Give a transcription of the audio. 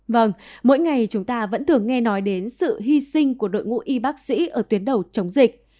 vâng mỗi ngày chúng ta vẫn thường nghe nói đến sự hy sinh của đội ngũ y bác sĩ ở tuyến đầu chống dịch